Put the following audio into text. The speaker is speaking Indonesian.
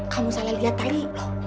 kamu salah liat tadi